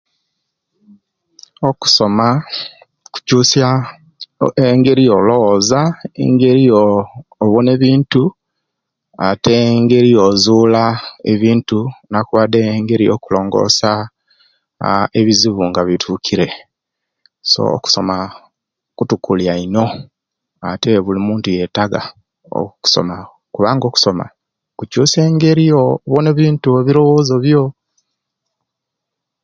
Okusoma kukyusia engeri yolobooza, engeri yoo'bona ebintu, ate engeri eyozuula ebintu nankuwaade engeri eyokulongosa ah ebizibu nga bituukire so okusoma kutukilia inu ate bulimuntu yetaga okusoma kubanga okusoma kukyusia engeri yo bona ebintu ebirowozo byo.